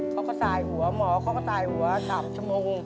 เขาก็สายหัวหมอเขาก็สายหัว๓ชั่วโมง